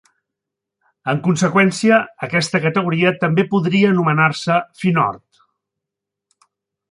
En conseqüència, aquesta categoria també podria anomenar-se FinOrd.